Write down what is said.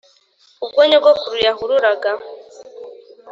ubwo nyogokuru yahururaga